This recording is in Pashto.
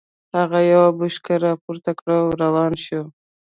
هغه يوه بوشکه را پورته کړه او روان شو.